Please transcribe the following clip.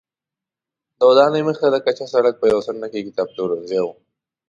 د ودانۍ مخې ته د کچه سړک په یوه څنډه کې کتابپلورځی و.